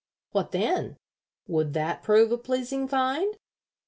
What then? Would that prove a pleasing find?"